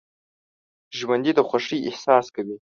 ژوندي د خوښۍ احساس کوي